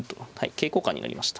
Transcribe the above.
桂交換になりました。